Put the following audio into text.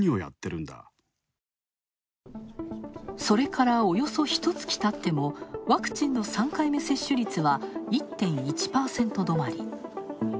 それからおよそひと月たっても、ワクチンの３回目接種率は１．１％どまり。